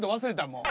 もう。